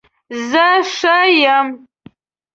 زه ښه یم